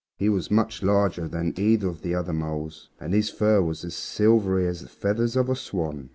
He was much larger than either of the other moles, and his fur was as silvery as the feathers of a swan.